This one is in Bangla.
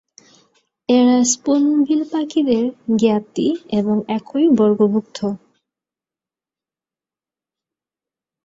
এরা স্পুনবিল পাখিদের জ্ঞাতি এবং একই বর্গভুক্ত।